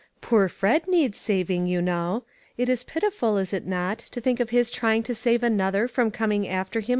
Poor Fred needs saving, you know. It is pitiful, is it not, to think of his trying to save another from coming after him.